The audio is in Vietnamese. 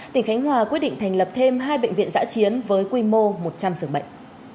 tỉnh khánh hòa quyết định thành lập thêm hai bệnh viện giã chiến với quy mô một trăm linh giường bệnh